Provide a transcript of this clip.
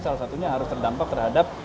salah satunya harus terdampak terhadap